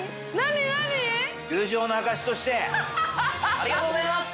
ありがとうございます！